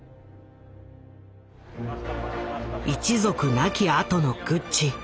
一族亡き後のグッチ。